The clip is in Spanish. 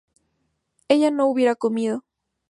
ellas no hubieron comido